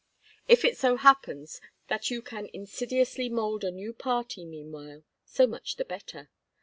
If it so happens that you can insidiously mould a new party meanwhile, so much the better.